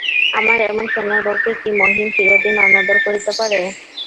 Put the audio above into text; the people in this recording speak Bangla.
আমার এমন সোনার বউকে কি মহিন চিরদিন অনাদর করিতে পারে।